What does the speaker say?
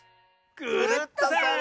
クルットさん！